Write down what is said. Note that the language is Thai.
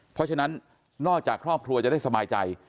เพราะฉะนั้นนอกจากครอบครัวจะได้สบายใจ